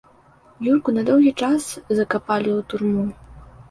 Юрку на доўгі час закапалі ў турму.